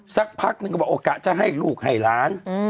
สักพักนึงก็บอกโอกะจะให้ลูกให้หลาน